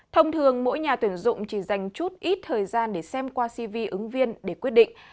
thông thường mỗi nhà tuyển dụng chỉ dành chút ít thời gian để xem qua cv ứng viên để quyết định